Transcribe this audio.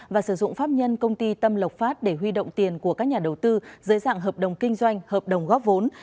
và sử dụng pháp nhân công ty tâm lộc phát để huy động tiền của các nhà đầu tư dưới dạng hợp đồng kinh doanh hợp đồng góp vốn